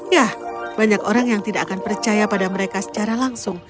ya banyak orang yang tidak akan percaya pada mereka secara langsung